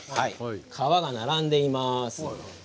皮が並んでいます。